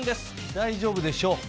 大丈夫でしょう。